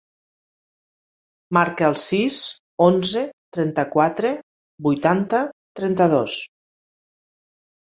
Marca el sis, onze, trenta-quatre, vuitanta, trenta-dos.